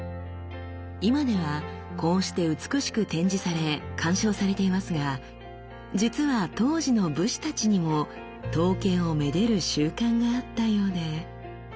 今ではこうして美しく展示され鑑賞されていますが実は当時の武士たちにも刀剣をめでる習慣があったようで。